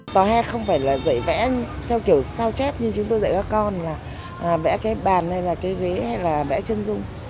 tòa hè không phải là dạy vẽ theo kiểu sao chép như chúng tôi dạy các con là vẽ cái bàn hay là cái ghế hay là vẽ chân dung